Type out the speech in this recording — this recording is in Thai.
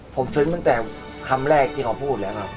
ผมซึ้งตั้งแต่คำแรกที่เขาพูดแล้วครับ